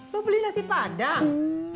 lo beli nasi padang